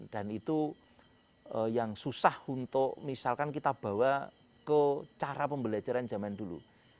dan itu yang susah untuk misalkan kita bawa ke cara pembelajaran zaman dulu